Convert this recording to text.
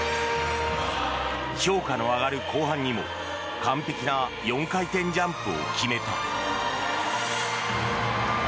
評価の上がる後半にも完璧な４回転ジャンプを決めた。